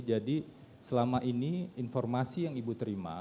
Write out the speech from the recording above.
jadi selama ini informasi yang ibu terima